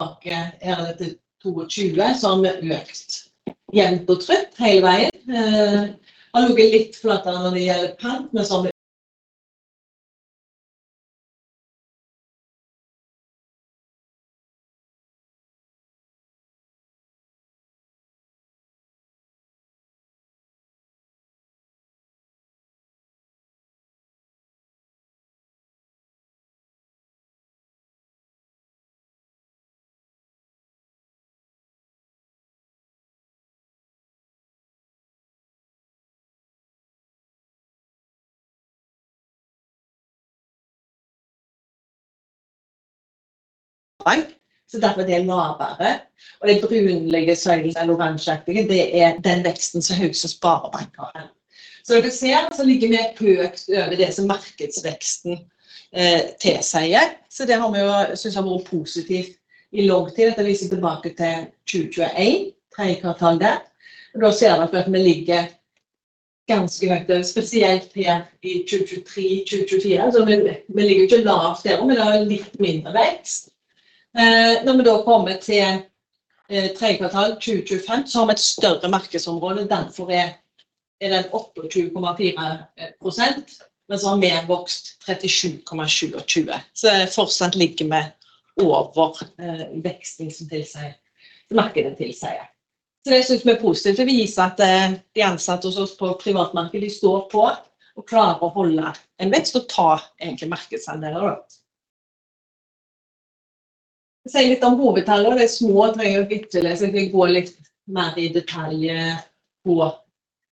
Takk, jeg allerede 22, så har vi økt jevnt og trutt hele veien. Har ligget litt flatt når det gjelder Pent, men så har vi. Nei, så derfor det lavere, og det grunnleggende søylen eller oransjeaktige. Det den veksten som Haugesund Sparebank har. Så dere ser, så ligger vi økt over det som markedsveksten, til seg gjelder, så det har vi jo synes har vært positivt i logg til. Dette viser tilbake til 2021, tredje kvartal der, og da ser dere at vi ligger ganske høyt, spesielt her i 2023, 2024. Så vi, vi ligger ikke lavt der, men vi har litt mindre vekst. Når vi da kommer til tredje kvartal 2025, så har vi et større markedsområde. Derfor den 28,4%, men så har vi mer vokst 37,27%, så det fortsatt ligger vi over veksten som tilsier, som markedet tilsier. Så det synes vi positivt å vise at de ansatte hos oss på privatmarkedet, de står på og klarer å holde en vekst og ta egentlig markedsandeler da. Jeg sier litt om hovedtallene, det små, trenger ikke å vite det, så jeg kan gå litt mer i detaljer på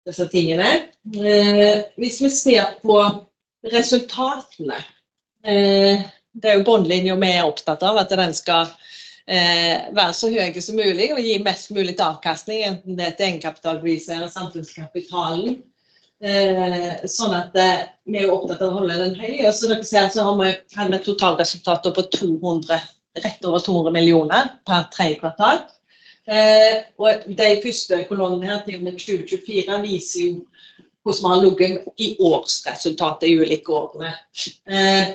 disse tingene. Hvis vi ser på resultatene, det jo bunnlinjen vi opptatt av, at den skal være så høy som mulig og gi mest mulig avkastning, enten det til egenkapitalpriser eller samfunnskapitalen. Sånn at vi jo opptatt av å holde den høy. Dere ser, så har vi hatt et totalresultat på 200, rett over 200 millioner per tredje kvartal. De første kolonnene her til og med 2024 viser jo hvordan vi har ligget i årsresultatet i ulike årene,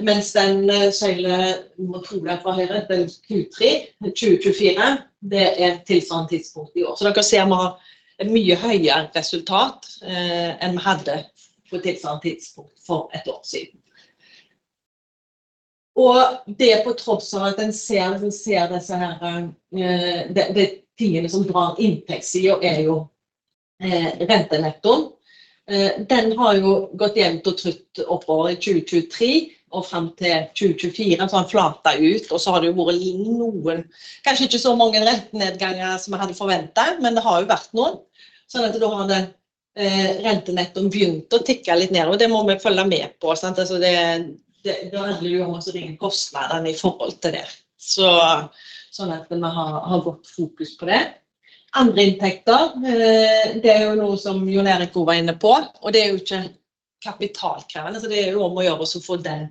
mens den søylen må trolig fra her, den Q3 2024, det tilsvarende tidspunkt i år. Så dere ser vi har et mye høyere resultat enn vi hadde på tilsvarende tidspunkt for et år siden. Og det på tross av at en ser, vi ser disse her, tingene som drar inntektssiden jo, rentenetten. Den har jo gått jevnt og trutt oppover i 2023 og frem til 2024, så har den flatet ut, og så har det jo vært noen, kanskje ikke så mange rentenedsettelser som vi hadde forventet, men det har jo vært noen, sånn at da har rentenettet begynt å tikke litt ned, og det må vi følge med på. Det handler jo om å så ringe kostnadene i forhold til det, sånn at vi har godt fokus på det. Andre inntekter, det er jo noe som Jon Erik var inne på, og det er jo ikke kapitalkrevende, så det er jo om å gjøre å få den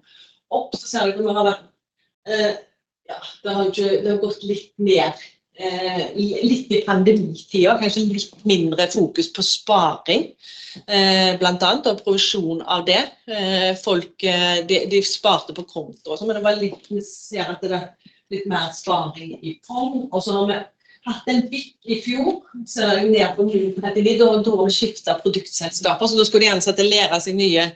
opp. Så ser dere vi har vært, ja, det har jo ikke, det har gått litt ned, litt i pandemitider, kanskje litt mindre fokus på sparing, blant annet og produksjon av det. Folk, det, de sparte på konto og sånn, men det var litt, vi ser at det er litt mer sparing i fond, og så har vi hatt en vipp i fjor, så det er jo ned på minus 39, og da har vi skiftet produktselskaper, så da skulle de ansatte lære seg nye,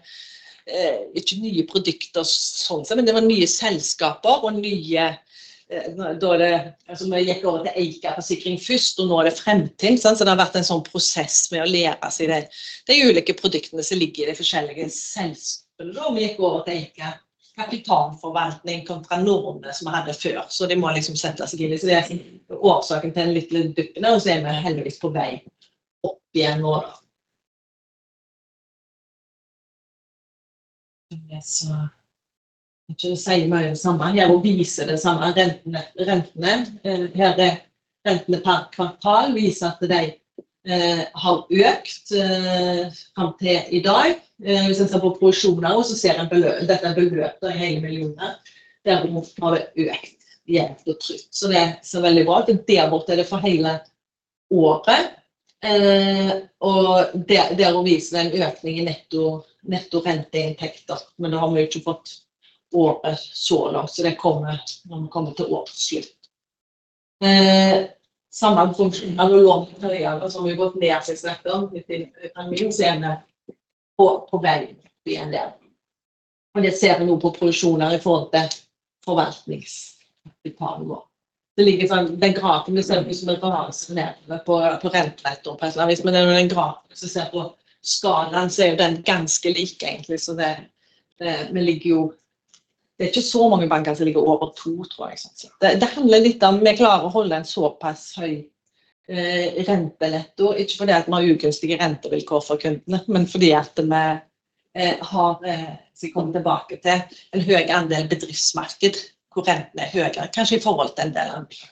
ikke nye produkter sånn sett, men det var nye selskaper og nye, da det, altså vi gikk over til Eika forsikring først, og nå det er fremtid, sant? Så det har vært en sånn prosess med å lære seg de ulike produktene som ligger i de forskjellige selskapene, og vi gikk over til Eika Kapitalforvaltning kontra Nordnet som vi hadde før, så det må liksom sette seg inn, så det årsaken til en liten dupp der, og så vi heldigvis på vei opp igjen nå da. Ja, så jeg tror det sier mye det samme her og viser det samme. Rentene per kvartal viser at de har økt fram til i dag. Hvis jeg ser på produksjonen her også, så ser jeg beløp, dette beløpet i hele millioner. Derimot har vi økt jevnt og trutt, så det så veldig bra ut. Det der borte, det for hele året, og det der viser det en økning i netto renteinntekt da. Men da har vi jo ikke fått året så langt, så det kommer når vi kommer til årsslutt. Samme funksjoner og lån på høyere som har vi gått ned 61%. Midt i pandemien, så vi på vei opp igjen der, og det ser vi nå på produksjoner i forhold til forvaltningskapitalen vår. Det ligger sånn, den grafen vi ser på som referanse nedover på renterett. Hvis vi ser på skalaen, så jo den ganske lik egentlig, så det vi ligger jo, det ikke så mange banker som ligger over to, tror jeg, sant? Det handler litt om vi klarer å holde en såpass høy rentenetto, ikke fordi at vi har ugunstige rentevilkår for kundene, men fordi at vi har, vi kommer tilbake til en høy andel bedriftsmarked hvor rentene er høyere, kanskje i forhold til en del andel.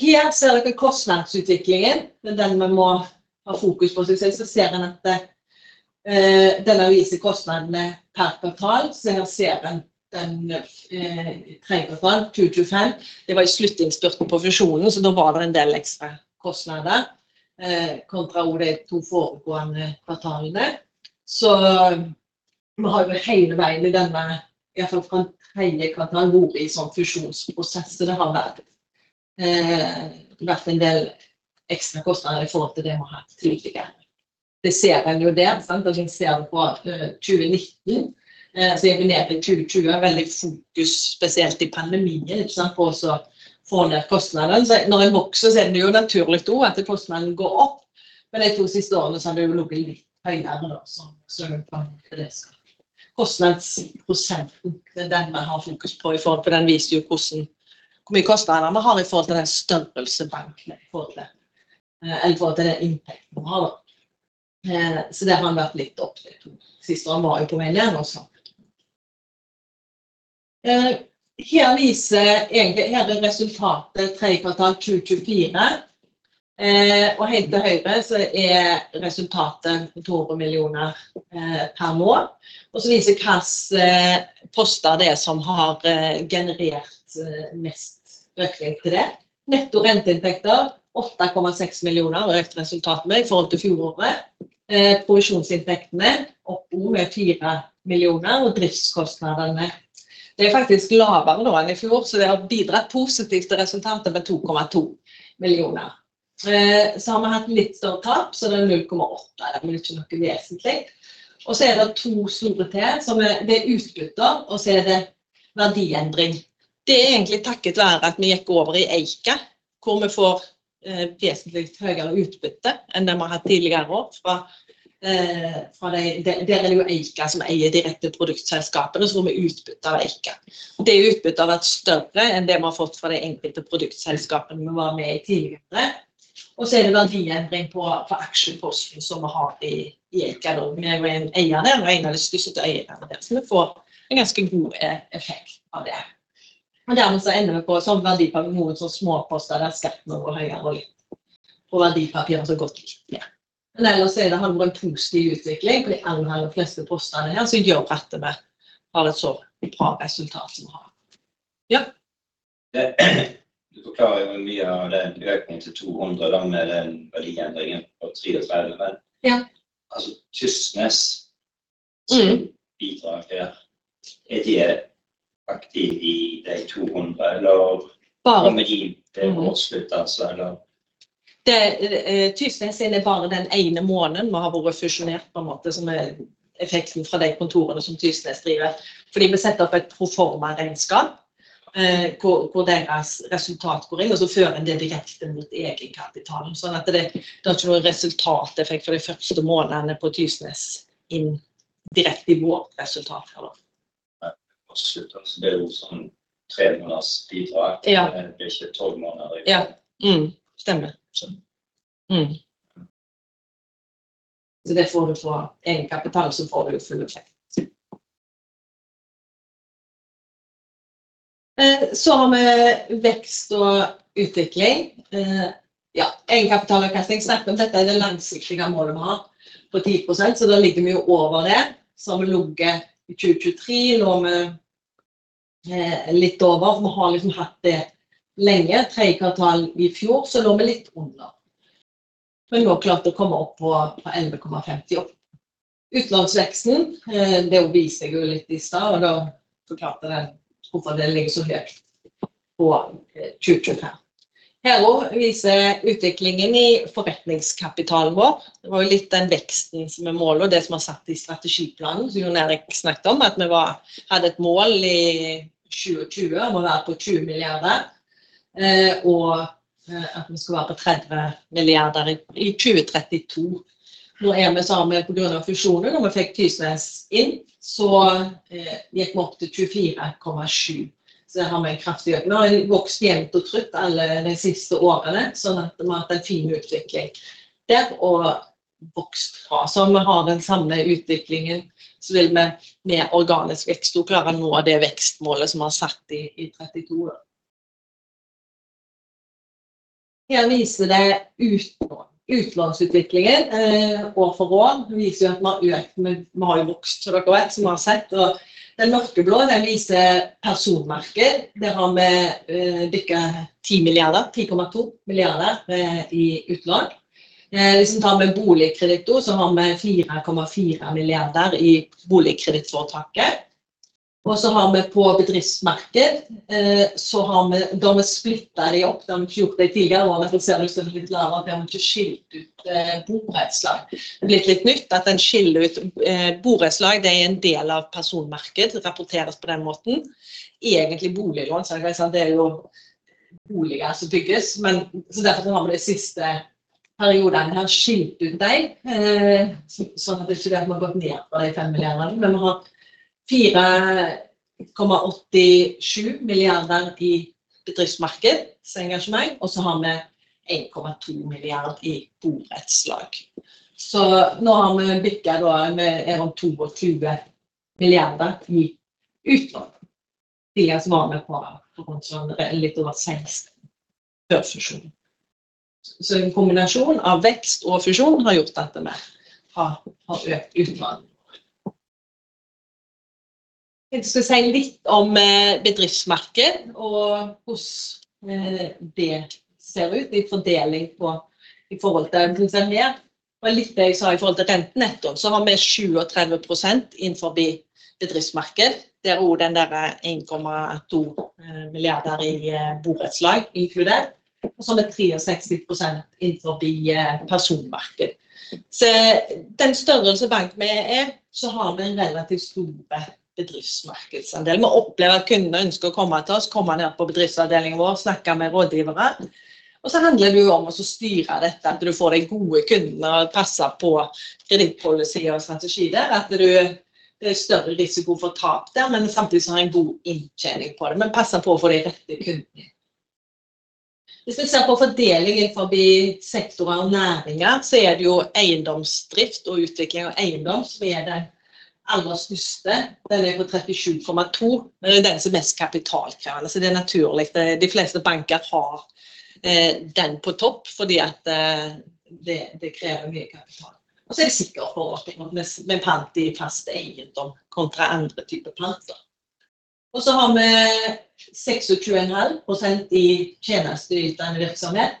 Her ser dere kostnadsutviklingen, men den vi må ha fokus på, så ser en at denne viser kostnadene per kvartal, så her ser en den tredje kvartal 2024. Det var i sluttinnspurten på fusjonen, så da var det en del ekstra kostnader, kontra de to foregående kvartalene. Vi har jo hele veien i denne, i hvert fall fra tredje kvartal, vært i sånn fusjonsprosess, så det har vært en del ekstra kostnader i forhold til det vi har hatt tidligere. Det ser en jo der, sant, og vi ser det på 2019, så vi nede i 2020, veldig fokus, spesielt i pandemien, ikke sant, på å få ned kostnadene. Så når en vokser, så det jo naturlig da at kostnadene går opp, men de to siste årene så har det jo ligget litt høyere da, så det skal kostnadsprosenten, det den vi har fokus på i forhold til, den viser jo hvordan, hvor mye kostnader vi har i forhold til den størrelsen banken i forhold til, eller i forhold til den inntekten vi har da. Så det har han vært litt opp til sist, og han var jo på vei ned nå, så. Her viser egentlig, her resultatet tredje kvartal 2024, og helt til høyre så resultatet 200 millioner, per måned, og så viser hvilke poster det som har generert mest økning til det. Netto renteinntekter 8,6 millioner, økt resultat i forhold til fjoråret, produksjonsinntektene opp med 4 millioner, og driftskostnadene faktisk lavere nå enn i fjor, så det har bidratt positivt til resultatet med 2,2 millioner. Vi har hatt litt større tap, så det 0,8, det er vel ikke noe vesentlig, og så er det to store til som utbytter, og så verdiendring. Det er egentlig takket være at vi gikk over i Eika, hvor vi får vesentlig høyere utbytte enn det vi har hatt tidligere år fra de. Der er det jo Eika som eier de rette produktselskapene, så får vi utbytte av Eika. Det utbytte har vært større enn det vi har fått fra de enkelte produktselskapene vi var med i tidligere, og så det verdiendring på aksjeposten som vi har i Eika da. Vi jo en eier der, og en av de største eierne der, så vi får en ganske god effekt av det. Men dermed så ender vi på verdipapir, noen småposter, der skattene går høyere og litt, og verdipapirene som har gått litt ned. Men ellers så det har det vært en positiv utvikling på de aller fleste posterne her, så gjør at vi har et så bra resultat som vi har. Du forklarer jo mye av den økningen til 200 da, med den verdiendringen på 330 der. Ja, altså Tysnes som bidrar til, de aktiv i de 200, eller bare med de, det å slutt, altså, eller? Det Tysnes, det bare den ene måneden vi har vært fusjonert på en måte, som effekten fra de kontorene som Tysnes driver, fordi vi setter opp et proforma-regnskap, hvor deres resultat går inn, og så fører en det direkte mot egenkapitalen, sånn at det ikke noe resultateffekt for de første månedene på Tysnes inn direkte i vårt resultat her da. Nei, absolutt, altså det er jo sånn tre måneders bidrag, det er ikke 12 måneder. Ja, stemmer. Så det får du fra egenkapital, så får du jo full effekt. Så har vi vekst og utvikling, ja, egenkapitalavkastning, snakk om dette det langsiktige målet vi har på 10%, så da ligger vi jo over det, så har vi ligget i 2023, lå vi litt over, for vi har liksom hatt det lenge, tredje kvartal i fjor, så lå vi litt under, men nå klart å komme opp på 11,50%. Utlandsvekselen, det viser jeg jo litt i stad, og da forklarte jeg det, hvorfor det ligger så høyt på 2023. Her også viser utviklingen i forretningskapitalen vår, det var jo litt den veksten som målet, og det som har satt i strategiplanen, som Jon Erik snakket om, at vi hadde et mål i 2020 om å være på 20 milliarder, og at vi skal være på NOK 30 milliarder i 2032. Nå vi så, har vi på grunn av fusjonen, når vi fikk Tysnes inn, så gikk vi opp til 24,7, så det har vi en kraftig økning. Vi har vokst jevnt og trutt alle de siste årene, sånn at vi har hatt en fin utvikling der, og vokst fra. Så om vi har den samme utviklingen, så vil vi med organisk vekst klare å nå det vekstmålet som vi har satt i 32. Her viser det uten utlandsutviklingen, år for år, viser jo at vi har økt. Vi har jo vokst, som dere vet, som vi har sett, og den mørkeblå, den viser personmarkedet. Der har vi dykket 10 milliarder, 10,2 milliarder i utlån. Hvis vi tar med boligkreditt, så har vi 4,4 milliarder i boligkredittforetaket, og så har vi på bedriftsmarkedet. Så har vi da splittet de opp. Det har vi ikke gjort i tidligere år, for ser det ut som litt lavere, for vi har ikke skilt ut borettslag. Det blitt litt nytt at den skiller ut borettslag. Det er en del av personmarkedet. Det rapporteres på den måten, egentlig boliglån, så det jo boliger som bygges. Men så derfor har vi det siste perioden her skilt ut de, sånn at det ikke vet vi har gått ned fra de 5 milliardene, men vi har 4,87 milliarder i bedriftsmarkedet som engasjement, og så har vi 1,2 milliarder i borettslag. Så nå har vi bygget da med om 22 milliarder i utlån. Tidligere så var vi på rundt sånn litt over 60 før fusjonen, så en kombinasjon av vekst og fusjon har gjort at vi har økt utlån. Jeg skal si litt om bedriftsmarkedet og hvordan det ser ut i fordeling på, i forhold til, som jeg sa, i forhold til rentenetto, så har vi 37% inn forbi bedriftsmarkedet, det også den der 1,2 milliarder i borettslag inkludert, og så det 63% inn forbi personmarkedet, så den størrelsen banken vi så har vi en relativt stor bedriftsmarkedsandel. Vi opplever at kundene ønsker å komme til oss, komme ned på bedriftsavdelingen vår, snakke med rådgivere, og så handler det jo om å styre dette, at du får de gode kundene og passer på kredittpolicy og strategi der, at du, det større risiko for tap der, men samtidig så har en god inntjening på det, men passer på å få de rette kundene. Hvis vi ser på fordelingen forbi sektorer og næringer, så er det jo eiendomsdrift og utvikling av eiendom som er det aller største, den på 37,2%, men det er den som er mest kapitalkrevende, så det er naturlig at de fleste banker har den på topp, fordi det krever mye kapital, og så er det sikker forvaltning med pant i fast eiendom kontra andre typer pant da. Og så har vi 26,5% i tjenesteytende virksomhet.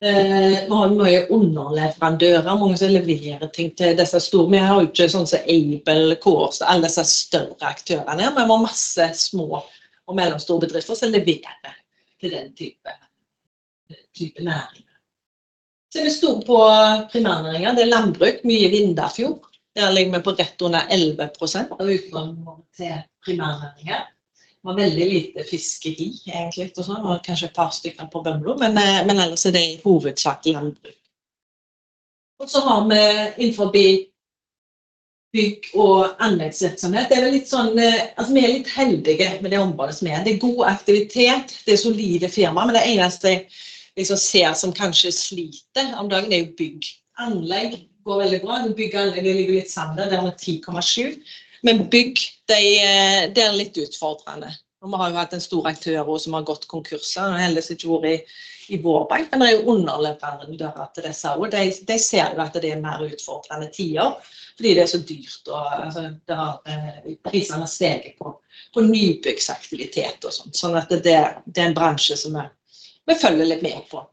Vi har mye underleverandører, mange som leverer ting til disse store, men jeg har jo ikke sånn som Able, Coors, alle disse større aktørene, men vi har masse små og mellomstore bedrifter som leverer til den type næringer. Så vi står på primærnæringer, det landbruk, mye vindafjord, der ligger vi på rett under 11% av utlandet til primærnæringer, vi har veldig lite fiskeri egentlig, og sånn, og kanskje et par stykker på Bømlo, men ellers det i hovedsak landbruk. Og så har vi inn forbi bygg og anleggsvirksomhet, det vel litt sånn, altså vi litt heldige med det området som det god aktivitet, det solide firmaer, men det eneste jeg liksom ser som kanskje sliter om dagen jo bygg. Anlegg går veldig bra, det bygg, anlegg, det ligger litt senere, det har vi 10,7%, men bygg, det det litt utfordrende, og vi har jo hatt en stor aktør også som har gått konkurs, og heller ikke vært i vår bank, men det jo underleverandører til disse også, de ser jo at det mer utfordrende tider, fordi det så dyrt, og altså det har, prisene har steget på nybyggsaktivitet og sånn, sånn at det, det en bransje som vi følger litt mer på.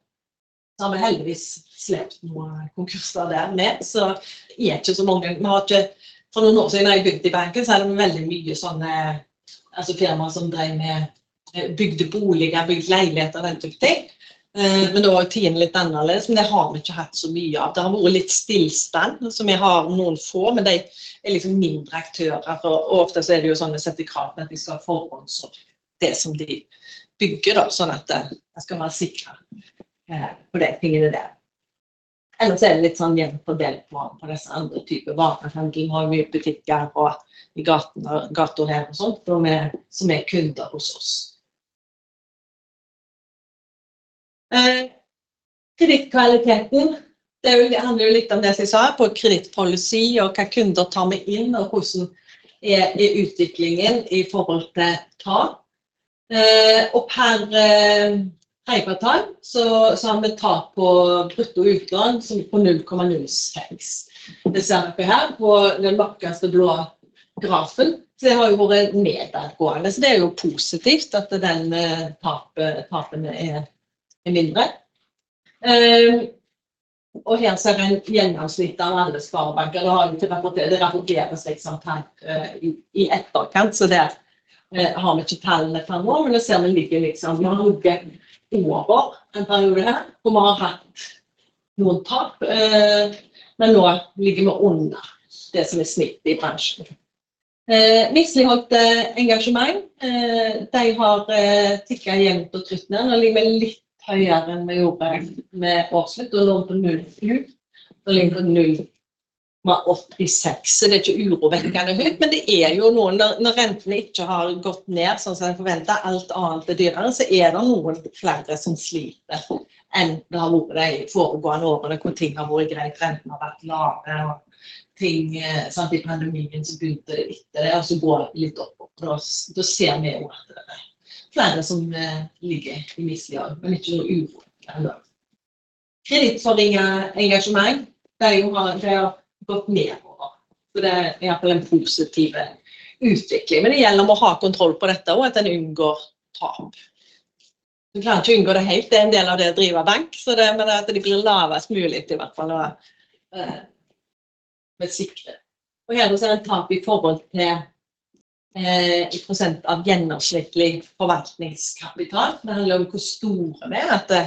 Så har vi heldigvis sluppet noen konkurser der med, så ikke så mange. Vi har ikke, for noen år siden da jeg begynte i banken, så det veldig mye sånne, altså firmaer som drev med, bygde boliger, bygde leiligheter, den type ting. Men det var jo tiden litt annerledes, men det har vi ikke hatt så mye av. Det har vært litt stillstand, som vi har noen få, men de liksom mindre aktører. For ofte så det jo sånn vi setter krav til at vi skal forvandle det som de bygger da, sånn at det skal være sikret, på de tingene der. Ellers så det litt sånn jevnt fordelt på disse andre typer. Varehandel har vi mye butikker og i gatene, gater og sånt, og vi som kunder hos oss. Kredittkvaliteten, det handler jo litt om det som jeg sa, på kredittpolicy og hva kunder tar med inn og hvordan utviklingen i forhold til tap. Per tredje kvartal så har vi tap på brutto utlån som på 0,06%. Det ser dere her på den mørkeste blå grafen, så det har jo vært nedadgående, så det jo positivt at tapet, tapene mindre. Her ser vi en gjennomsnitt av alle sparebanker. Det har vi ikke rapportert, det rapporteres her i etterkant, så det har vi ikke tallene fra nå, men det ser vi ligger. Vi har ligget over en periode her, hvor vi har hatt noen tap, men nå ligger vi under det som snittet i bransjen. Misligholdt engasjement, de har tikket jevnt og trutt ned. Nå ligger vi litt høyere enn vi gjorde med årslutt, og nå på 0,7%. Nå ligger vi på 0,86%, så det ikke urovekkende høyt, men det jo noen. Når rentene ikke har gått ned sånn som jeg forventet, alt annet dyrere, så det noen flere som sliter enn det har vært de foregående årene, hvor ting har vært greit, rentene har vært lave, og ting. Sånn at i pandemien så begynte det etter det, og så går det litt opp, og da ser vi jo at det flere som ligger i mislighold, men ikke noe urovekkende. Kredittforringet engasjement, det jo har, det har gått nedover, så det i hvert fall en positiv utvikling, men det gjelder om å ha kontroll på dette og at en unngår tap. Vi klarer ikke å unngå det helt, det er en del av det å drive bank, så det, men at det blir lavest mulig til i hvert fall å, med sikkerhet. Og her er det også et tap i forhold til, i % av gjennomsnittlig forvaltningskapital, det handler om hvor store vi er at det,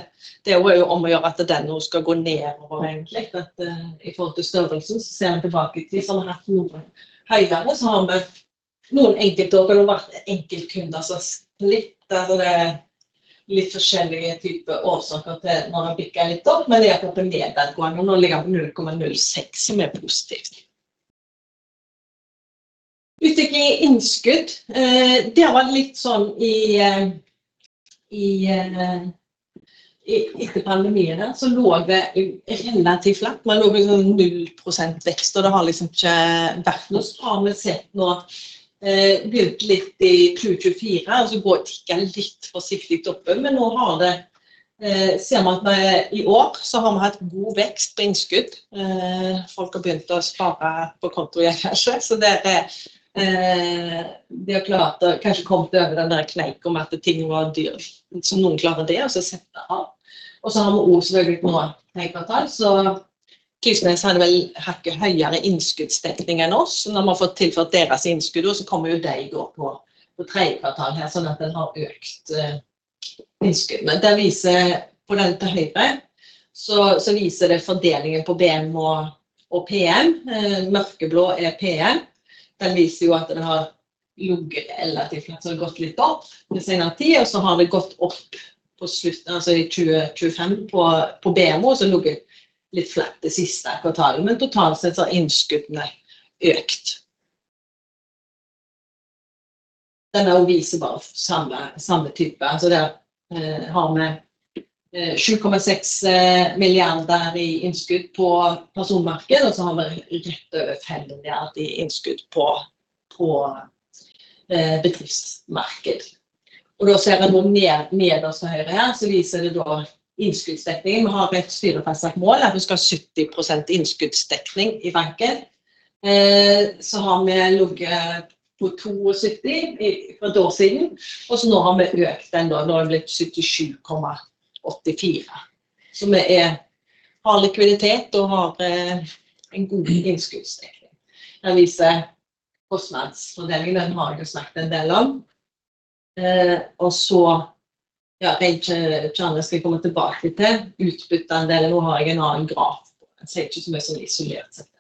det er jo om å gjøre at den nå skal gå nedover egentlig, for at i forhold til størrelsen så ser vi tilbake til vi har hatt noe høyere, så har vi noen enkelte år, det har vært enkeltkunder som har splittet, altså det er litt forskjellige type årsaker til når vi bikker litt opp, men det er i hvert fall på nedadgående, nå ligger vi på 0,06 som er positivt. Utvikling i innskudd, det har vært litt sånn etter pandemien da, så lå vi relativt flat, vi lå på sånn 0% vekst, og det har liksom ikke vært noe spar, men sett nå, begynt litt i 2024, og så går det litt forsiktig oppe, men nå har det, ser vi at vi i år så har vi hatt god vekst på innskudd, folk har begynt å spare på kontoen kanskje, så det det har klart å kanskje komme til over den der kneiken med at ting var dyrt, så noen klarer det, og så setter det av, og så har vi også selvfølgelig på tredje kvartal, så Tysnes har vel hatt høyere innskuddsstengning enn oss, så når vi har fått tilført deres innskudd, og så kommer jo de i går på, på tredje kvartal her, sånn at den har økt, innskudd, men det viser på den til høyre, så, så viser det fordelingen på BM og PM, mørkeblå PM, den viser jo at den har logget relativt flat, så det har gått litt opp, det senere tid, og så har det gått opp på slutten, altså i 2025 på BM, og så logget litt flat det siste kvartalet, men totalt sett så har innskuddene økt. Denne viser bare samme, samme type, så det, har vi 7,6 milliarder i innskudd på personmarkedet, og så har vi rett over 5 milliarder i innskudd på bedriftsmarkedet, og da ser vi nå ned også høyre her, så viser det da innskuddsdekning. Vi har et styrefestet mål at vi skal ha 70% innskuddsdekning i banken, så har vi ligget på 72 for et år siden, og så nå har vi økt den da, nå har vi blitt 77,84, så vi har likviditet og har en god innskuddsdekning. Den viser kostnadsfordelingen, den har jeg jo snakket en del om, og så, ja, det ikke annet jeg skal komme tilbake til, utbytteandelen. Nå har jeg en annen graf på den, så jeg ikke så mye sånn isolert sett.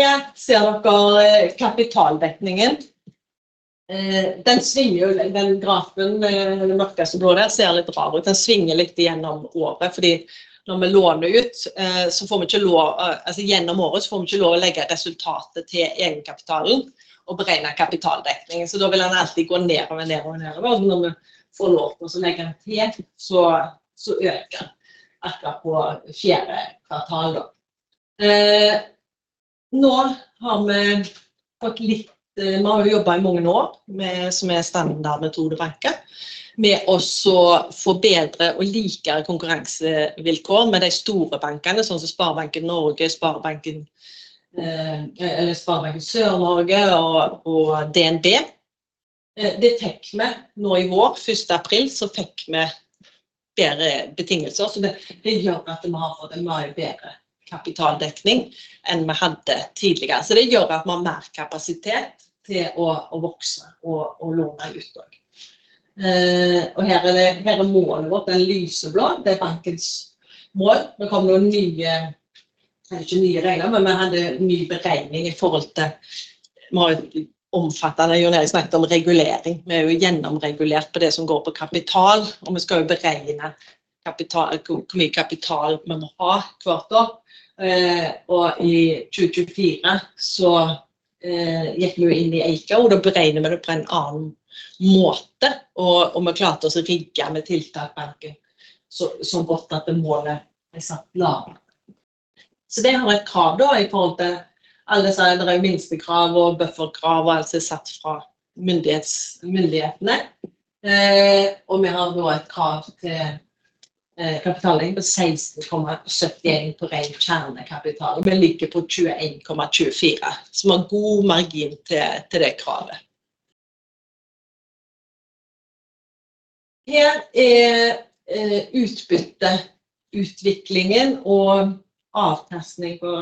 Her ser dere kapitaldekningen, den svinger jo, den grafen, den mørkeste blå der, ser litt rar ut, den svinger litt gjennom året, fordi når vi låner ut, så får vi ikke lov, altså gjennom året så får vi ikke lov å legge resultatet til egenkapitalen og beregne kapitaldekningen, så da vil den alltid gå nedover og nedover og nedover, og så når vi får lov til å legge den til, så øker den etterpå fjerde kvartal da. Nå har vi fått litt, vi har jo jobbet i mange år med, som standard metode banker, med å så forbedre og likere konkurransevilkår med de store bankene, sånn som Sparebanken Norge, Sparebanken, eller Sparebanken Sør-Norge og DNB, det fikk vi nå i vår. April, så fikk vi bedre betingelser, så det gjør at vi har fått en mye bedre kapitaldekning enn vi hadde tidligere, så det gjør at vi har mer kapasitet til å vokse og låne ut også. Her det, her målet vårt, den lyseblå, det bankens mål, vi kommer nå nye, kanskje ikke nye regler, men vi hadde ny beregning i forhold til, vi har omfattet det Jon Erik snakket om, regulering. Vi jo gjennomregulert på det som går på kapital, og vi skal jo beregne kapital, hvor mye kapital vi må ha hvert år. I 2024 så gikk vi jo inn i Eika, og da beregner vi det på en annen måte, og vi klarte oss å rigge med tiltakbanken så godt at det målet satt lavt. Det har vært krav da i forhold til alle disse der minstekrav og bufferkrav, altså satt fra myndighetene, og vi har nå et krav til kapitaling på 16,71% på ren kjernekapital, og vi ligger på 21,24%, så vi har god margin til det kravet. Her utbytte, utviklingen og avkastning på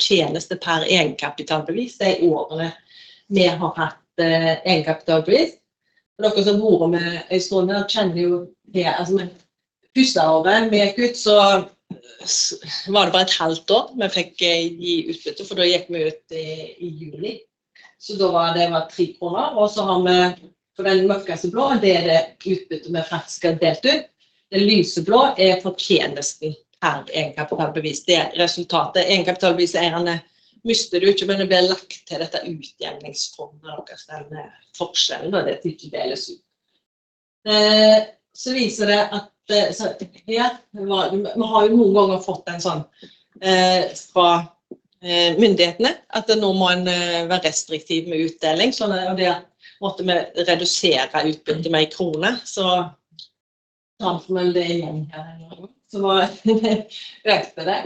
tjeneste per egenkapitalbevis i årene vi har hatt egenkapitalbevis. For dere som bor med i Sognet, dere kjenner jo det med husåret. Vi gikk ut, så var det bare et halvt år vi fikk gi utbytte, for da gikk vi ut i juli, så da var det 3 kroner. Så har vi for den mørkeste blå det utbytte vi faktisk har delt ut, det lyseblå for tjenesten per egenkapitalbevis. Det resultatet egenkapitalbeviseierne mister det jo ikke, men det blir lagt til dette utjevningsfondet. Dere stemmer forskjellen, og det tildeles ut, så viser det at her har vi jo noen ganger fått en sånn fra myndighetene at nå må en være restriktiv med utdeling, og det måtte vi redusere utbytte med i kroner. Så sant som det igjen her en gang, så var det økte det.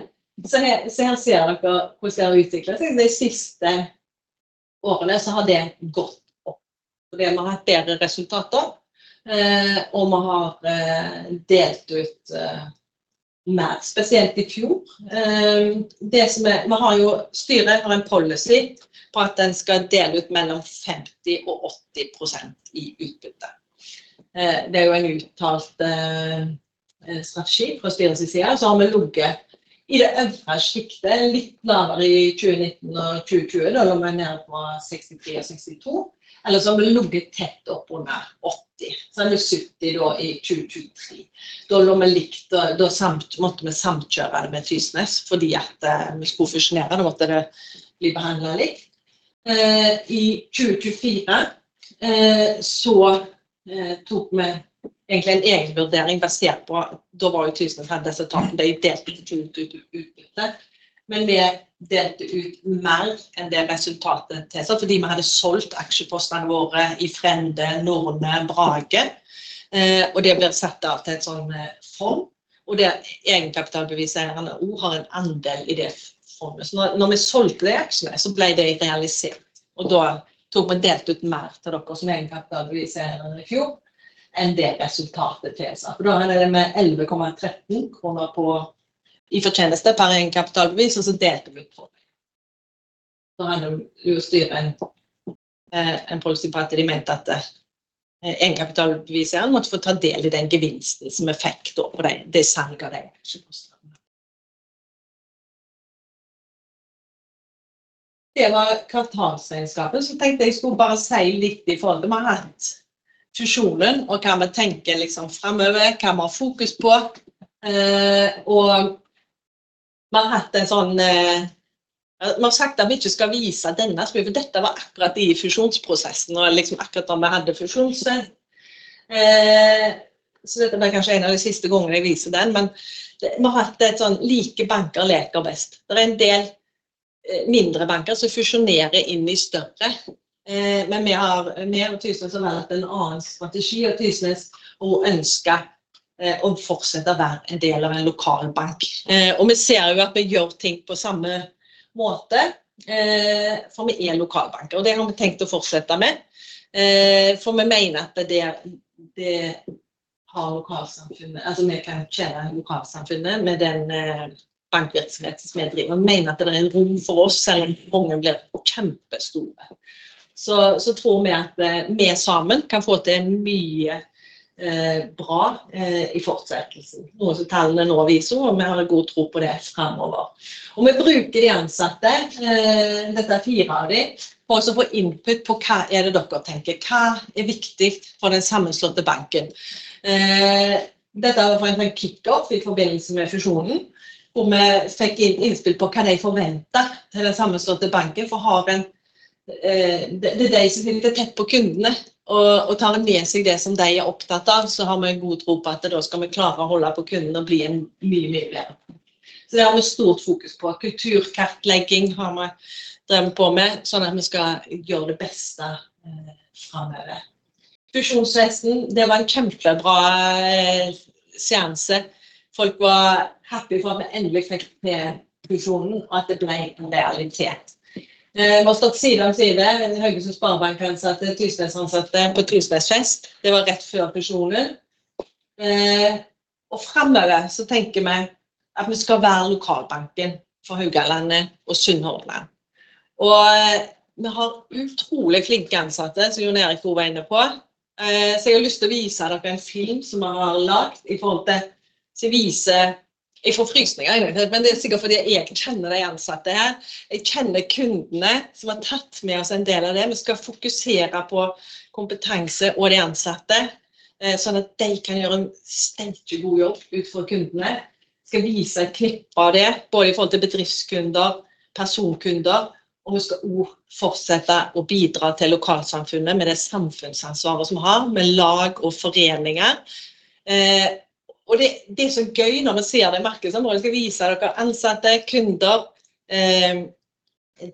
Her ser dere hvordan det har utviklet seg de siste årene, så har det gått opp, så det vi har hatt bedre resultater, og vi har delt ut mer, spesielt i fjor. Det som vi har, jo styret har en policy på at den skal dele ut mellom 50% og 80% i utbytte. Det jo en uttalt strategi fra styret sin side, og så har vi logget i det øvre skiktet, litt lavere i 2019 og 2020. Da lå vi nede på 63% og 62%, ellers så har vi logget tett opp under 80%. Så har vi 70% da i 2023, da lå vi likt, da måtte vi samkjøre det med Tysnes, fordi at vi skulle fusjonere, da måtte det bli behandlet likt. I 2024 tok vi egentlig en egenvurdering basert på, da var jo Tysnes hadde disse tapene. De delte ut utbytte, men vi delte ut mer enn det resultatet tilsa, fordi vi hadde solgt aksjepostene våre i Frender, Norne, Brage, og det blir satt da til et sånn fond, og det egenkapitalbeviseierne også har en andel i det fondet. Så når vi solgte de aksjene, så ble de realisert, og da tok vi delt ut mer til dere som egenkapitalbeviseierne i fjor enn det resultatet tilsa. For da hadde vi 11,13 kroner i fortjeneste per egenkapitalbevis, og så delte vi ut på. Da hadde jo styret en policy på at de mente at egenkapitalbeviseierne måtte få ta del i den gevinsten som vi fikk da på det selger de aksjepostene med. Det var kvartalsregnskapet, så tenkte jeg skulle bare si litt i forhold til vi har hatt fusjonen og hva vi tenker fremover, hva vi har fokus på. Vi har hatt en sånn, vi har sagt at vi ikke skal vise denne fordi dette var akkurat i fusjonsprosessen, og akkurat da vi hadde fusjonen, så dette blir kanskje en av de siste gangene jeg viser den. Men vi har hatt et sånn "like banker leker best", det en del mindre banker som fusjonerer inn i større, men vi har, vi og Tysnes har vært en annen strategi, og Tysnes har ønsket å fortsette å være en del av en lokalbank. Vi ser jo at vi gjør ting på samme måte, for vi lokalbanker, og det har vi tenkt å fortsette med, for vi mener at det, det har lokalsamfunnet, altså vi kan tjene lokalsamfunnet med den bankvirksomheten som vi driver. Vi mener at det en rom for oss selv om pengene blir kjempestore, så tror vi at vi sammen kan få til mye bra i fortsettelsen, noe som tallene nå viser, og vi har en god tro på det fremover. Vi bruker de ansatte, dette fire av de, for å få input på hva det dere tenker, hva viktig for den sammenslåtte banken. Dette var for eksempel en kick-off i forbindelse med fusjonen, hvor vi fikk inn innspill på hva de forventer til den sammenslåtte banken, for har en, det de som sitter tett på kundene, og tar de med seg det som de opptatt av, så har vi en god tro på at det da skal vi klare å holde på kundene og bli en mye, mye bedre. Så det har vi stort fokus på. Kulturkartlegging har vi drevet på med, sånn at vi skal gjøre det beste fremover. Fusjonsfesten, det var en kjempebra seanse, folk var happy for at vi endelig fikk til fusjonen, og at det ble en realitet. Vi har stått side om side, Høgøysund Sparebank ansatte og Tysnes ansatte på Tysnesfest, det var rett før fusjonen. Fremover så tenker vi at vi skal være lokalbanken for Haugalandet og Sunnlandet, og vi har utrolig flinke ansatte, som Jon Erik også var inne på, så jeg har lyst til å vise dere en film som vi har laget i forhold til, så jeg viser, jeg får frysninger inni meg, men det sikkert fordi jeg kjenner de ansatte her, jeg kjenner kundene som har tatt med oss en del av det. Vi skal fokusere på kompetanse og de ansatte, sånn at de kan gjøre en støtt god jobb ut fra kundene, skal vise et knippe av det, både i forhold til bedriftskunder, personkunder, og vi skal også fortsette å bidra til lokalsamfunnet med det samfunnsansvaret som vi har, med lag og foreninger. Det så gøy når vi ser det i markedsområdet, jeg skal vise dere ansatte, kunder,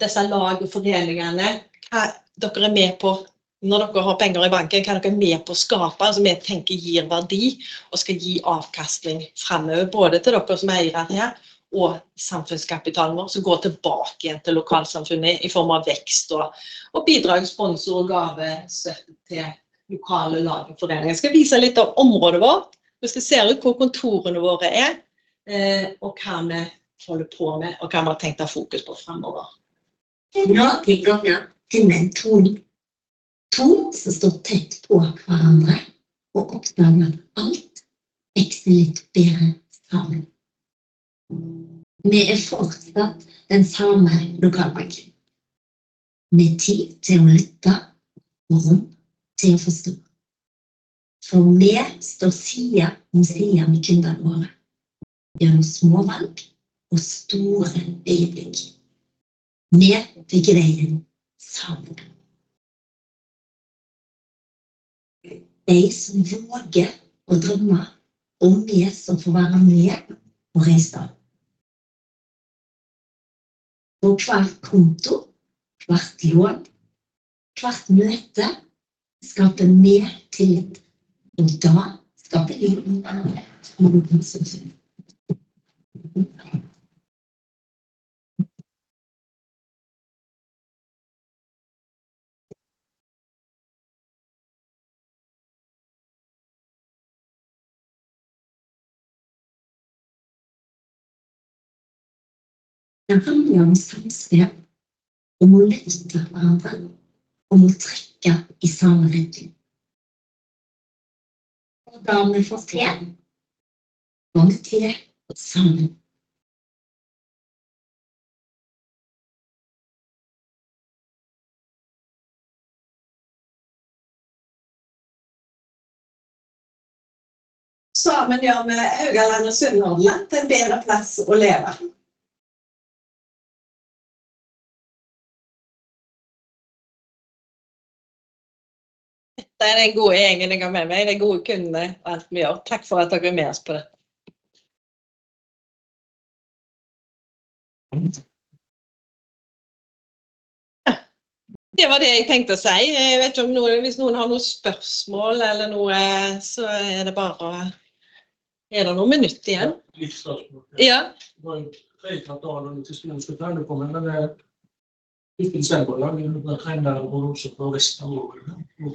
disse lag og foreningene, hva dere med på, når dere har penger i banken, hva dere med på å skape, som jeg tenker gir verdi, og skal gi avkastning fremover, både til dere som eier her, og samfunnskapitalen vår, som går tilbake igjen til lokalsamfunnet i form av vekst, og bidrag, sponsor og gave til lokale lag og foreninger. Jeg skal vise litt av området vårt, vi skal se ut hvor kontorene våre og hva vi holder på med, og hva vi har tenkt å ha fokus på fremover. Godt tilbake til den to, to som står tett på hverandre, og oppdager at alt vokser litt bedre sammen. Vi fortsatt den samme lokalbanken, med tid til å lytte, og rom til å forstå, for vi står side om side med kundene våre, gjør små valg og store øyeblikk. Vi bygger veien sammen. De som våger å drømme, og vi som får være med på reisen, på hver konto, hvert lån, hvert møte, skaper mer tillit, og da skaper vi en annen verden. Det handler om samspill, om å lytte til hverandre, om å trekke i samme retning, og da må vi få til, må vi til det sammen. Sammen gjør vi Haugalandet og Sunnlandet til en bedre plass å leve. Dette den gode gjengen jeg har med meg, de gode kundene og alt vi gjør, takk for at dere med oss på dette. Det var det jeg tenkte å si. Jeg vet ikke om noen, hvis noen har noen spørsmål eller noe, så det bare. Det noe med nytt igjen? Ja, jeg tenkte at det var noen spørsmål som trengte å komme, men det uten selv på laget. Du trenger å rose for resten av året, og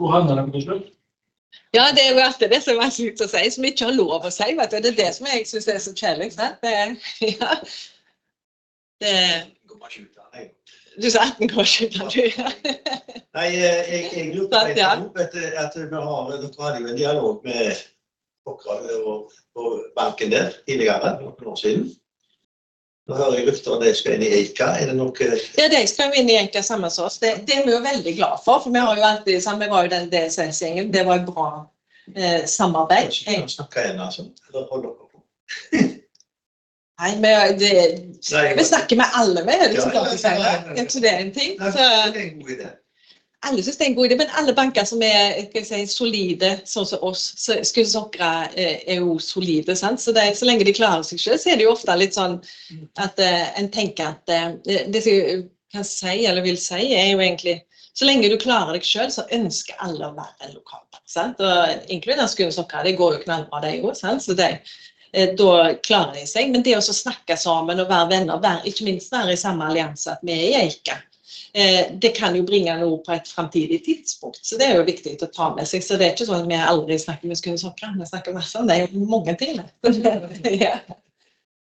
så havner det på slutt. Ja, det jo alltid det som syk til å si, som ikke har lov å si, vet du. Det det som jeg synes så kjedelig, ikke sant. Det ja, det går bare ikke ut av deg. Du sa at den går ikke ut av deg. Nei, jeg lurte på det. Jeg lurte på at vi har, nå har jeg jo en dialog med dere og banken der, tidligere, for noen år siden. Nå hører jeg luften at dere skal inn i Eika, det noe? Ja, dere skal jo inn i Eika sammen med oss, det er vi jo veldig glade for, for vi har jo alltid, så vi var jo den DSS-singelen, det var jo bra samarbeid. Vi snakker en av oss, eller holder dere på? Nei, men vi snakker med alle, vi er liksom klare til å si det, så det er en ting, så det er en god idé. Alle synes det er en god idé, men alle banker som skal vi si, solide, sånn som oss, så er Skudenes Sparebank jo solide, sant, så det så lenge de klarer seg selv, så er det jo ofte litt sånn at en tenker at det som kan si eller vil si, jo egentlig, så lenge du klarer deg selv, så ønsker alle å være en lokalbank, sant, og inkludert Skudenes Sparebank, det går jo ikke noe an å være det også, sant, så det, da klarer de seg, men det å så snakke sammen og være venner, være, ikke minst være i samme allianse som vi i Eika, det kan jo bringe noe på et fremtidig tidspunkt, så det er jo viktig å ta med seg, så det er ikke sånn at vi aldri snakker med Skudenes Sparebank, vi snakker med Sparebanken, det er jo mange ting, det, ja,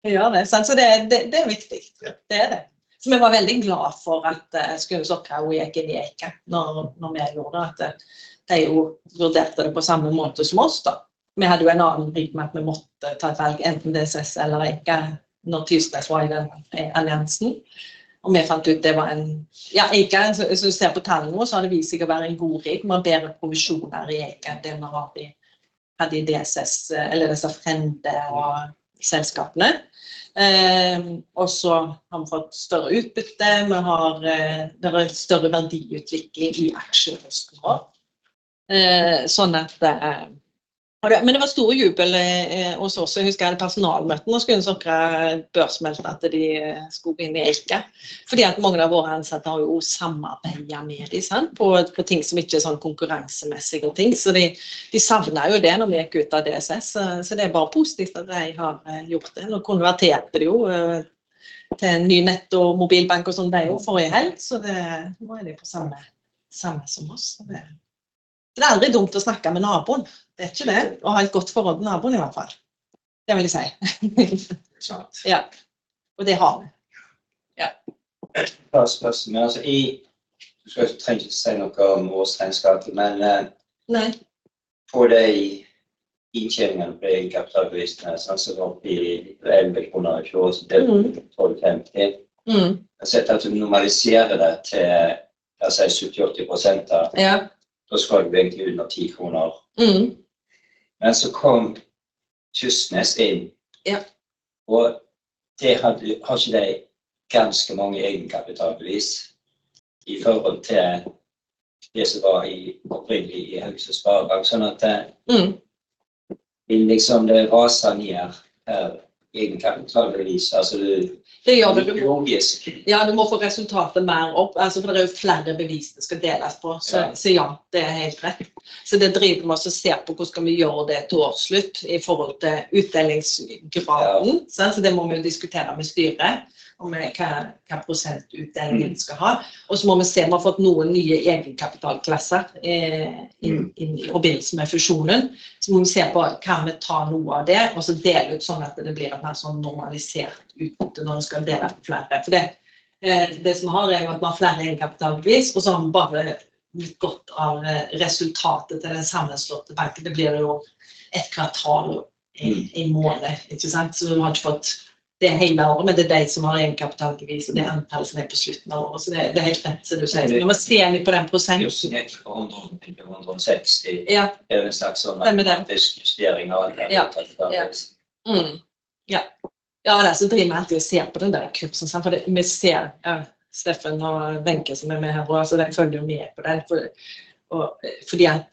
vi gjør det, sant, så det, det, det er viktig, det det, så vi var veldig glade for at Skudenes Sparebank gikk inn i Eika, når, når vi gjorde det, at de jo vurderte det på samme måte som oss, da, vi hadde jo en annen rigg med at vi måtte ta et valg, enten DSS eller Eika, når Tysnes var i den alliansen, og vi fant ut det var en, ja, Eika, så ser på tallene, så hadde vi sikkert vært en god rigg, vi har bedre provisjoner i Eika, det vi har i, hadde i DSS, eller disse Frender og selskapene, og så har vi fått større utbytte, vi har, det var større verdiutvikling i aksjer hos oss, sånn at, og det, men det var store jubel hos oss, jeg husker jeg hadde personalmøtene, og Skudenes Sparebank børsmeldte at de skulle gå inn i Eika, fordi at mange av våre ansatte har jo også samarbeidet med dem, sant, på, på ting som ikke sånn konkurransemessige og ting, så de, de savner jo det når vi gikk ut av DSS, så det er bare positivt at de har gjort det, nå konverterte de jo, til en ny netto mobilbank og sånn, det jo forrige helg, så det, nå er de på samme, samme som oss, så det, det er aldri dumt å snakke med naboen, det er ikke det, å ha et godt forhold til naboen i hvert fall, det vil jeg si, ja, og det har vi, ja. Et par spørsmål, altså i, du skal ikke trenge å si noe om vårt regnskap, men. Nei. For de innkjøringene på de kapitalbevisene, så var det oppe i 11 kroner i fjor, så det var 12,50. Jeg setter at du normaliserer det til, la oss si 70-80%, da skal du egentlig under 10 kroner. Men så kom Tysnes inn, og det hadde, har ikke de ganske mange egenkapitalbevis i forhold til det som var opprinnelig i Haugesund Sparebank, sånn at det raser ned, egenkapitalbevis. Altså du, det gjør du logisk, du må få resultatet mer opp, altså for det jo flere bevis det skal deles på. Så det helt rett, så det driver vi og ser på, hvordan skal vi gjøre det til årsslutt i forhold til utdelingsgraden. Så det må vi jo diskutere med styret om hva prosent utdelingen skal ha, og så må vi se, vi har fått noen nye egenkapitalklasser i forbindelse med fusjonen. Så må vi se på hva vi tar noe av det, og så dele ut sånn at det blir en normalisert utbytte når vi skal dele opp flere. For det som vi har jo at vi har flere egenkapitalbevis, og så har vi bare litt godt av resultatet til den sammenslåtte banken. Det blir jo et kvartal i måned, ikke sant, så vi har ikke fått det hele året. Men det de som har egenkapitalbevis, og det antallet som på slutten av året, så det helt rett som du sier, vi må se inn på den prosenten. 1,60, det en slags justering av egenkapitalbevis. Det så driver vi alltid å se på den kursen, for det vi ser, Steffen og Wenche som med her også, så de følger jo med på det. Fordi at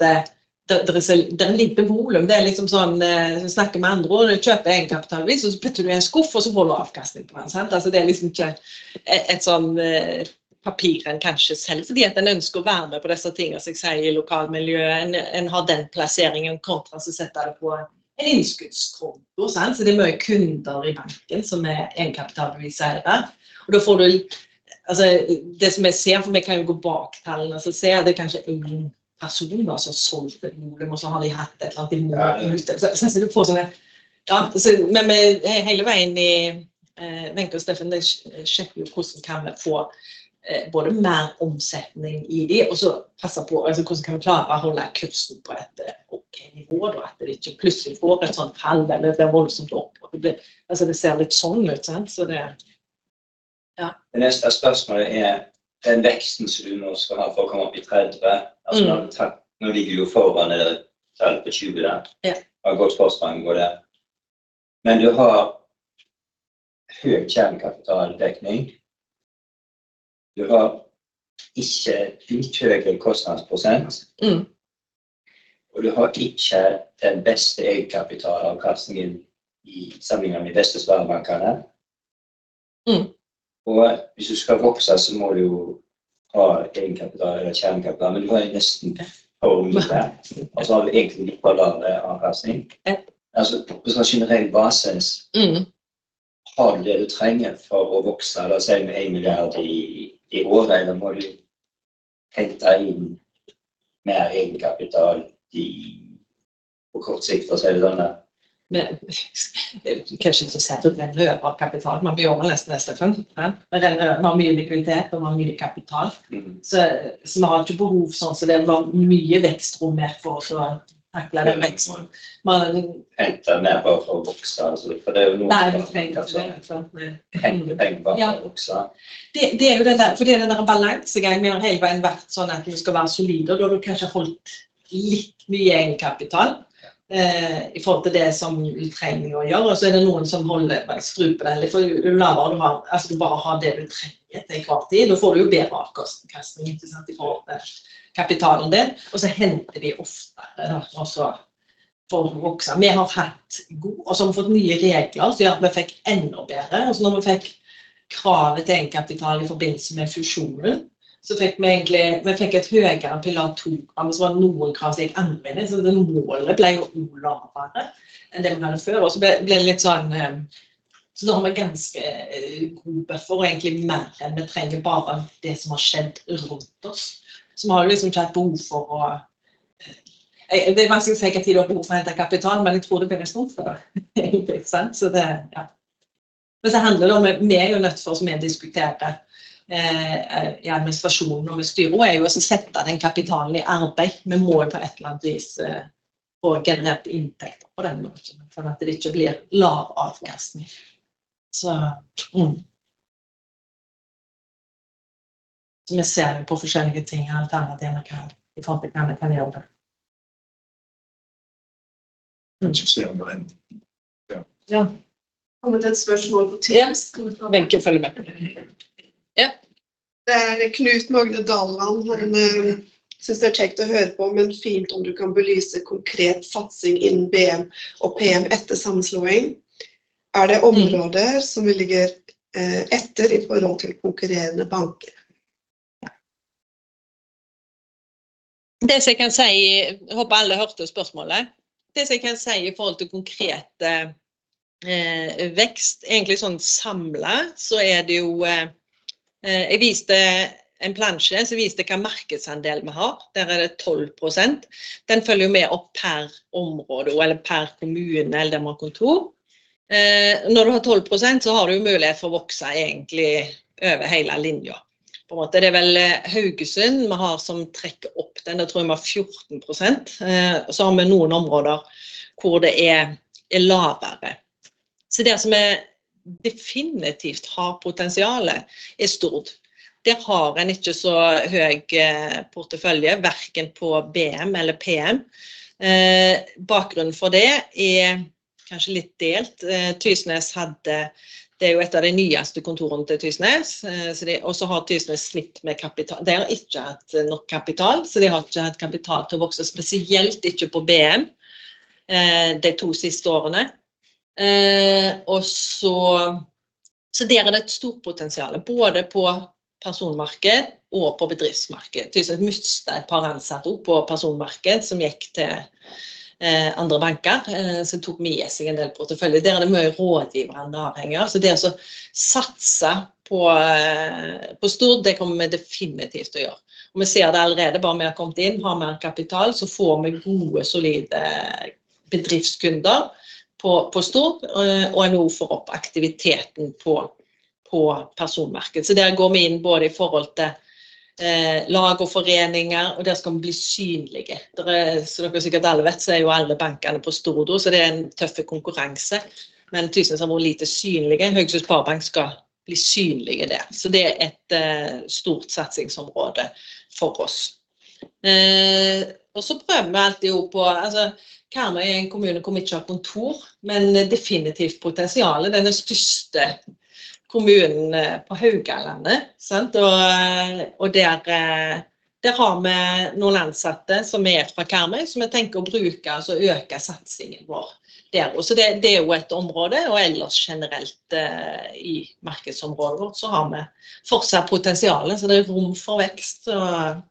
det litt bevolum, det liksom sånn, så snakker vi med andre ord, du kjøper egenkapitalbevis, og så putter du i en skuff, og så får du avkastning på den. Altså det liksom ikke et sånn papiren kanskje selv, fordi at den ønsker å være med på disse tingene som jeg sier i lokalmiljøet. En har den plasseringen kontra så setter du på en innskuddskonto, så det mye kunder i banken som egenkapitalbeviseiere. Og da får du, altså det som jeg ser, for vi kan jo gå baktallene, så ser jeg at det kanskje en person da som har solgt et bolig, og så har de hatt et eller annet i måneden. Så du får sånne, men hele veien i, Wenche og Steffen, det sjekker jo hvordan kan vi få både mer omsetning i det, og så passer på, altså hvordan kan vi klare å holde kursen på et ok nivå da, at det ikke plutselig får et sånt fall eller det voldsomt opp, og det blir, altså det ser litt sånn ut. Det neste spørsmålet: den veksten som du nå skal ha for å komme opp i 30 - altså nå ligger du jo foran det tallet på 20, da. Ja, har godt spørsmål, men du har høy kjernekapitaldekning, du har ikke uthøyet kostnadsprosent, og du har ikke den beste egenkapitalavkastningen i samlingen med de beste sparebankene. Hvis du skal vokse, så må du jo ha egenkapital eller kjernekapital, men du har jo nesten over midt der. Altså har du egentlig litt for lav avkastning, ja, altså på sånn generell basis. Har du det du trenger for å vokse, da sier vi 1 milliard i året, da må du hente deg inn mer egenkapital på kort sikt. Det kanskje ikke så særlig den røde kapitalen, man blir jo nesten for, men man blir likviditet og man blir kapital, så man har ikke behov sånn. Det var mye vekstrom mer for å takle den vekstrom. Hente mer på for å vokse, altså, for det jo noe. Nei, du trenger ikke å vokse, det, det jo den der. For det den der balansegangen vi har hele veien vært sånn at du skal være solid, og da har du kanskje holdt litt mye egenkapital i forhold til det som du trenger å gjøre. Så det noen som holder på en skru på den, for jo lavere du har, altså du bare har det du trenger til en hver tid, da får du jo bedre avkastning, ikke sant, i forhold til kapitalen din. Så henter de oftere, da, og så får du vokse. Vi har hatt god, og så har vi fått nye regler, så ja, vi fikk enda bedre. Når vi fikk kravet til egenkapital i forbindelse med fusjonen, så fikk vi egentlig, vi fikk et høyere pilotprogram, så var det noen krav som gikk enda mindre, så det målet ble jo også lavere enn det vi hadde før. Så ble det litt sånn, så da har vi ganske god buffer, og egentlig mer enn vi trenger, bare det som har skjedd rundt oss. Vi har jo liksom ikke hatt behov for å, det vanskelig å si hva tid du har behov for å hente kapital, men jeg tror det blir en stor fordel egentlig, ikke sant. Så det, ja, men så handler det om, vi jo nødt for å mer diskutere i administrasjonen og med styret, og jo å sette den kapitalen i arbeid. Vi må jo på et eller annet vis få generert inntekter på den måten, sånn at det ikke blir lav avkastning. Vi ser jo på forskjellige ting alternativene i forhold til hva vi kan gjøre. Vi skal se om det en, ja, ja, kommer til et spørsmål på Teams, Wenche følger med, ja. Det Knut Magne Dalvall, han synes det kjekt å høre på, men fint om du kan belyse konkret satsing innen BM og PM etter sammenslåing, det områder som vi ligger etter i forhold til konkurrerende banker? Ja. Det som jeg kan si, jeg håper alle hørte spørsmålet. Det som jeg kan si i forhold til konkret vekst, egentlig sånn samlet, så det jo, jeg viste en plansje, så viste jeg hva markedsandel vi har, der det 12%. Den følger jo med opp per område, og eller per kommune, eller der vi har kontor. Når du har 12%, så har du jo mulighet for å vokse egentlig over hele linja, på en måte. Det vel Haugesund vi har som trekker opp den, da tror jeg vi har 14%, og så har vi noen områder hvor det lavere. Det som definitivt har potensialet, stort, det har en ikke så høy portefølje, verken på BM eller PM. Bakgrunnen for det kanskje litt delt. Tysnes hadde, det jo et av de nyeste kontorene til Tysnes, så det, og så har Tysnes slitt med kapital. Det har ikke hatt nok kapital, så de har ikke hatt kapital til å vokse, spesielt ikke på BM, de to siste årene. Der det et stort potensiale, både på personmarked og på bedriftsmarked. Jeg mister et par ansatte opp på personmarked som gikk til andre banker, som tok med seg en del portefølje. Der det mye rådgiverne avhengig av. Det å satse på, på stort, det kommer vi definitivt til å gjøre, og vi ser det allerede. Bare vi har kommet inn, har mer kapital, så får vi gode solide bedriftskunder på, på stort, og jeg nå får opp aktiviteten på, på personmarked. Der går vi inn både i forhold til lag og foreninger, og der skal vi bli synlige, dere. Dere sikkert alle vet, så jo alle bankene på stordo, så det en tøff konkurranse, men Tysnes har vært lite synlige. Haugesund Sparebank skal bli synlige der, så det et stort satsingsområde for oss. Så prøver vi alltid opp på, altså, Karmøy en kommune hvor vi ikke har kontor, men definitivt potensiale. Den største kommunen på Haugalandet, sant, og der, der har vi noen ansatte som fra Karmøy, som jeg tenker å bruke, altså øke satsingen vår der også. Det, det jo et område, og ellers generelt, i markedsområdet vårt, så har vi fortsatt potensiale. Det rom for vekst, og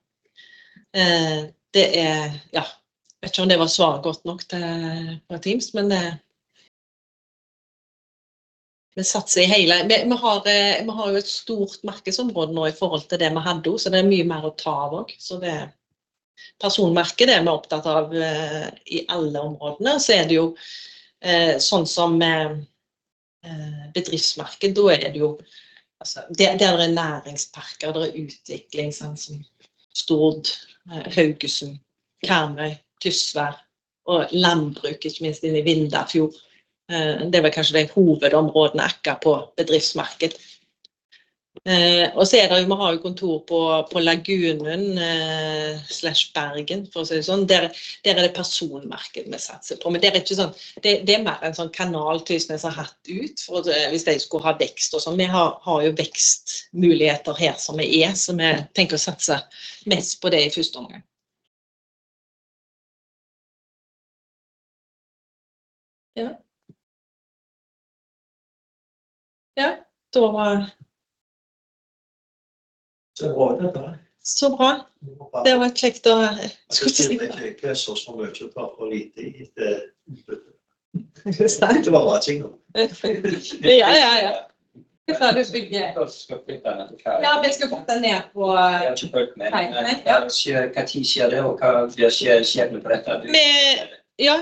det ja, jeg vet ikke om det var svaret godt nok til på Teams, men det, vi satser i hele, vi, vi har, vi har jo et stort markedsområde nå i forhold til det vi hadde også, så det mye mer å ta av. Det, personmarkedet vi opptatt av, i alle områdene, og så det jo, sånn som, bedriftsmarked, da det jo, altså, det, der næringsparker, der utvikling, sånn som stort, Haugesund, Karmøy, Tysvær, og landbruk, ikke minst inne i Vindafjord. Det var kanskje de hovedområdene akkurat på bedriftsmarked. Så det jo, vi har jo kontor på, på Lagunen, slash Bergen, for å si det sånn. Der, der det personmarked vi satser på, men det ikke sånn, det, det mer en sånn kanal Tysnes har hatt ut, for hvis de skulle ha vekst og sånn. Vi har, har jo vekstmuligheter her som vi så vi tenker å satse mest på det i første omgang. Ja. Ja, da var. Så bra dette. Så bra. Det var kjekt å. Skal vi ikke så så mye på for lite i det. Det var rart ting nå. Ja, ja, ja. Hva skal vi putte den på? Ja, vi skal putte den ned på. Ja, men hva tid skjer det, og hva skjer det på dette? Vi, ja,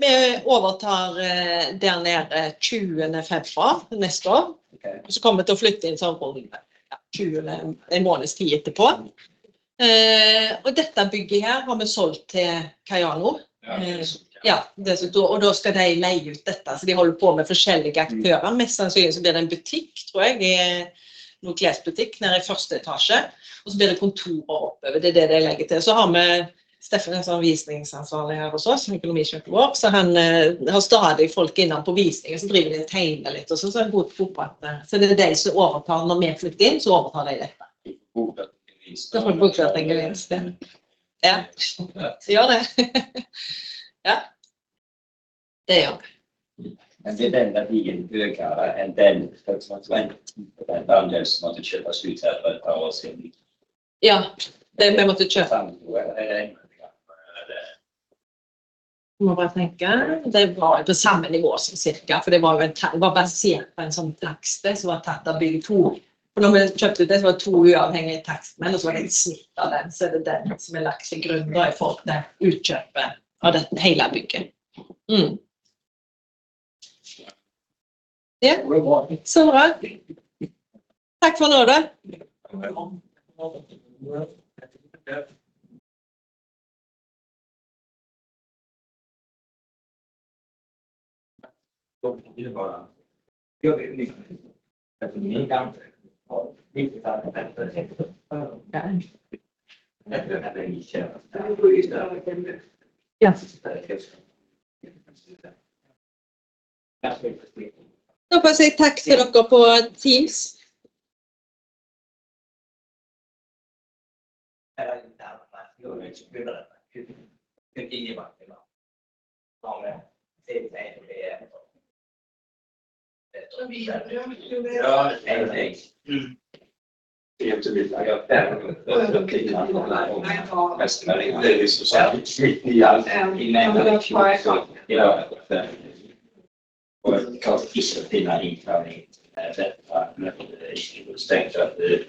vi overtar der nede 20. februar neste år, og så kommer vi til å flytte inn samfunnet 20. en måneds tid etterpå, og dette bygget her har vi solgt til Kajano. Ja, det så, og da skal de leie ut dette, så de holder på med forskjellige aktører. Mest sannsynlig så blir det en butikk, tror jeg, i noe glesbutikk, den i første etasje, og så blir det kontorer oppover. Det det de legger til, så har vi Steffen som visningsansvarlig her hos oss, økonomisjef vår, så han har stadig folk innom på visninger, så driver de og tegner litt og sånn, så han går på opprettet, så det de som overtar når vi flytter inn, så overtar de dette. Da får du booke en gledelig sted. Ja, det gjør det. Ja. Det gjør vi. Men det den verdien høyere enn den for eksempel den andelen som måtte kjøpes ut her for et par år siden? Ja, det vi måtte kjøpe. Samme nivå, eller det en gang? Vi må bare tenke, det var jo på samme nivå som cirka, for det var jo en, det var basert på en sånn takst som var tatt av bygg 2, for når vi kjøpte ut det, så var det to uavhengige takstmenn, og så var det en snitt av den, så det den som lagt til grunn da i forhold til utkjøpet av dette hele bygget. Ja. Det var bra. Så bra. Takk for nå, da. Da får jeg si takk til dere på Teams.